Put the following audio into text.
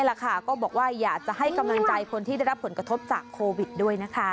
แหละค่ะก็บอกว่าอยากจะให้กำลังใจคนที่ได้รับผลกระทบจากโควิดด้วยนะคะ